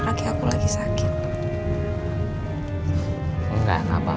gak ada apa apa